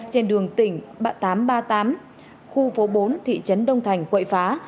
trên đường tỉnh tám trăm ba mươi tám khu phố bốn thị trấn đông thành quậy phá